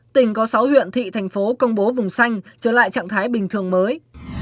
tỉnh có sáu huyện thị thành phố công bố vùng xanh trở lại trạng thái bình thường mới